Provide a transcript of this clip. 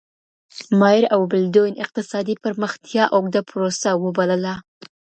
ماير او بالدوين اقتصادي پرمختيا اوږده پروسه وبلله.